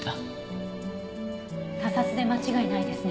他殺で間違いないですね。